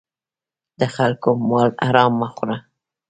د خلکو مال حرام مه خوره.